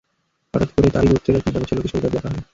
হঠাৎ করে তারই গোত্রের এক নেতাগোছের লোকের সাথে তার দেখা হয়।